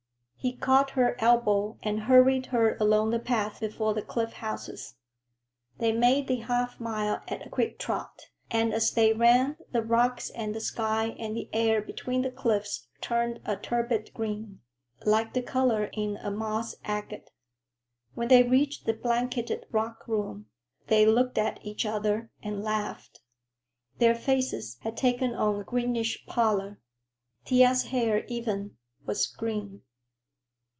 He caught her elbow and hurried her along the path before the cliff houses. They made the half mile at a quick trot, and as they ran the rocks and the sky and the air between the cliffs turned a turbid green, like the color in a moss agate. When they reached the blanketed rock room, they looked at each other and laughed. Their faces had taken on a greenish pallor. Thea's hair, even, was green.